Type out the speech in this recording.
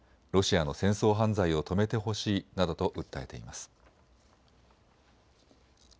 ロシアの戦争犯罪を止めてほしいなどと訴えています。